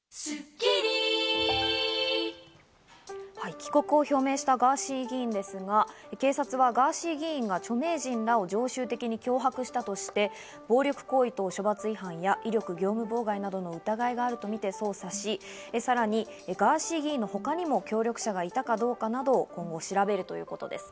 帰国を表明したガーシー議員ですが、警察はガーシー議員が著名人らを常習的に脅迫したとして、暴力行為等処罰法違反や威力業務妨害などの疑いがあるとみて捜査し、さらにガーシー議員のほかにも協力者がいたかどうかなど調べるということです。